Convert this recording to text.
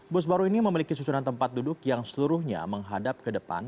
bus baru ini memiliki susunan tempat duduk yang seluruhnya menghadap ke depan